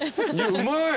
うまい。